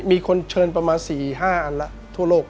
มีคนเชิญประมาณ๔๕อันแล้วทั่วโลก